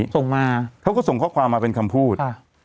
ส่งเป็นเสียงหรือว่าส่งเป็นคำพูด